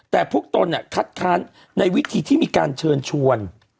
แต่พวกตนคัดค้านในวิธีที่มีการเชิญชวน